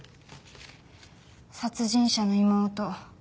「殺人者の妹」